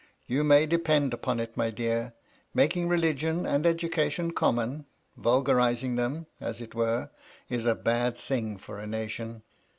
You may depend upon it, my dear, making religion and education common — vulgarising them, as it were — is a bad thing for a nation.